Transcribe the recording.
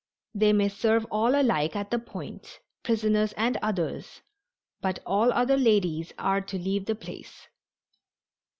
They may serve all alike at the Point, prisoners and others, but all other ladies are to leave the place."